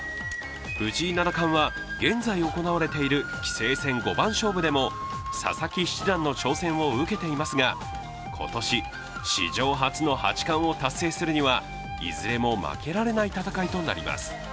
藤井七冠は現在行われている棋聖戦五番勝負でも、佐々木七段の挑戦を受けていますが、今年、史上初の八冠を達成するにはいずれも負けられない戦いとなります。